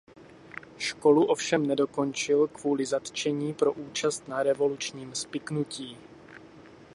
Školu ovšem nedokončil kvůli zatčení pro účast na revolučním spiknutí.